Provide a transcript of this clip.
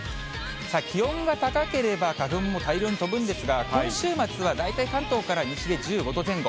気温が高ければ、花粉も大量に飛ぶんですが、今週末は大体関東から西で１５度前後。